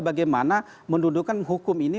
bagaimana mendudukan hukum ini